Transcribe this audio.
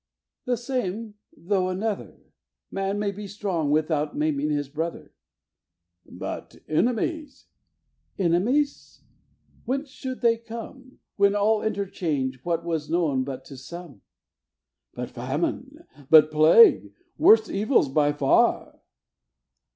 "The same, though another; Man may be strong without maiming his brother." "But enemies?" "Enemies! Whence should they come, When all interchange what was known but to some?" "But famine? but plague? worse evils by far."